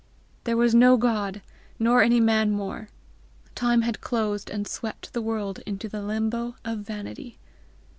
There was no God, nor any man more! Time had closed and swept the world into the limbo of vanity!